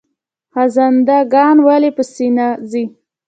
خزنده ګان ولې په سینه ځي؟